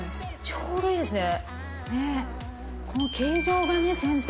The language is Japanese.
ちょうどいいんだよね。